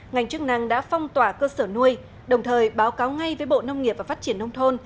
ngành chức năng đã phong tỏa cơ sở nuôi đồng thời báo cáo ngay với bộ nông nghiệp và phát triển nông thôn